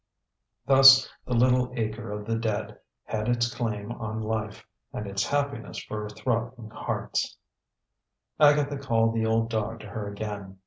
Thus the little acre of the dead had its claim on life, and its happiness for throbbing hearts. Agatha called the old dog to her again.